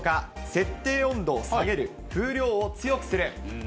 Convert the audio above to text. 設定温度を下げる、風量を強くする。